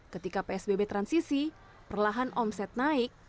ketika psbb transisi perlahan omset naik